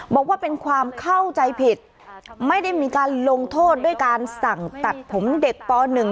บอกว่าเป็นความเข้าใจผิดไม่ได้มีการลงโทษด้วยการสั่งตัดผมเด็กป๑